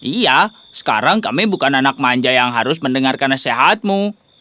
iya sekarang kami bukan anak manja yang harus mendengarkan nasihatmu